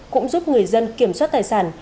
cũng giúp người dân kiểm soát tài sản